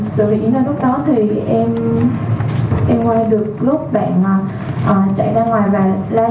sự việc diễn ra lúc đó thì em quay được lúc bạn chạy ra ngoài và la hét thật lớn